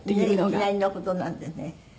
いきなりの事なんでね。